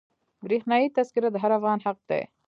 برښنایي تذکره د هر افغان حق دی.